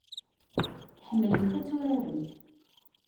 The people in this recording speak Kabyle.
Tḥemmlemt ad turaremt.